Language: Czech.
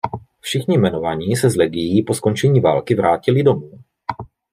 Všichni jmenovaní se z legií po skončení války vrátili domů.